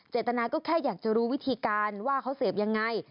เจตนาก็แค่อยากจะรู้วิธีการว่าเขาเสพยังไง